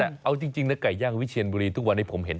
เอาจริงนะไก่ย่างวิเชียนบุรีทุกวันนี้ผมเห็น